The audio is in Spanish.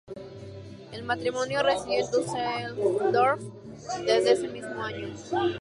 El matrimonio residió en Düsseldorf desde ese mismo año.